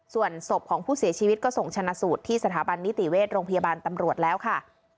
ส่วนศพของผู้เสียชีวิตก็ส่งชนะสูตรที่สถาบันนิติเวชโรงพยาบาลตำรวจแล้วค่ะ